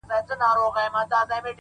د باران وروسته خټې تل نوی شکل اخلي’